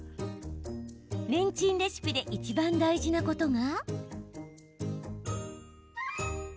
レンチンレシピでいちばん大事なことが。